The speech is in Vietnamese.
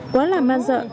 quá là man dợ